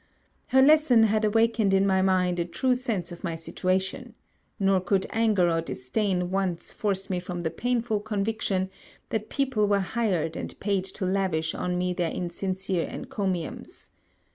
Her lesson had awakened in my mind a true sense of my situation; nor could anger or disdain once force me from the painful conviction that people were hired and paid to lavish on me their insincere encomiums.